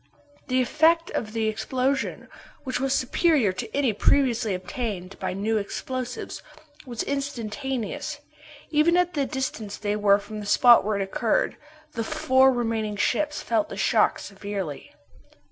The effect of the explosion, which was superior to any previously obtained by new explosives, was instantaneous. Even at the distance they were from the spot where it occurred, the four remaining ships felt the shock severely.